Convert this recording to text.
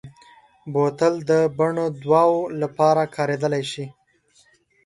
بوتل د بڼو دواوو لپاره کارېدلی شي.